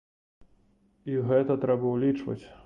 І гэта трэба ўлічваць.